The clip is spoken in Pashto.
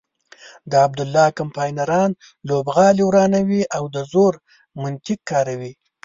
د عبدالله کمپاینران لوبغالی ورانوي او د زور منطق کاروي.